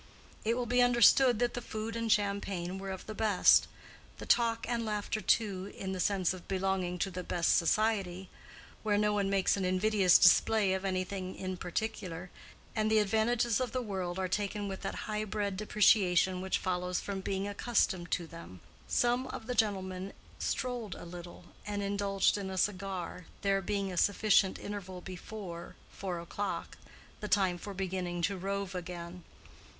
It will be understood that the food and champagne were of the best—the talk and laughter too, in the sense of belonging to the best society, where no one makes an invidious display of anything in particular, and the advantages of the world are taken with that high bred depreciation which follows from being accustomed to them. Some of the gentlemen strolled a little and indulged in a cigar, there being a sufficient interval before four o'clock—the time for beginning to rove again.